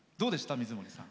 水森さん。